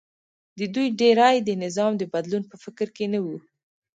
د دوی ډېری د نظام د بدلون په فکر کې نه و